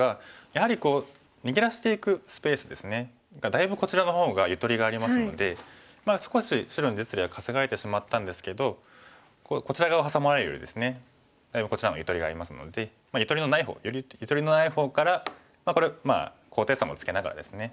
やはり逃げ出していくスペースですね。がだいぶこちらの方がゆとりがありますので少し白に実利は稼がれてしまったんですけどこちら側ハサまれるよりですねだいぶこちらの方がゆとりがありますのでゆとりのない方よりゆとりのない方からこれ高低差もつけながらですね